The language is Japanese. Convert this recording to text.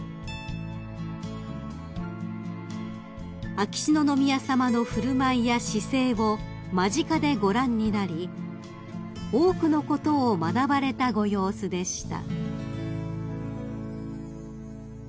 ［秋篠宮さまの振る舞いや姿勢を間近でご覧になり多くのことを学ばれたご様子でした］